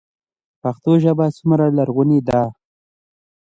پښتو ژبه څومره لرغونې ده؟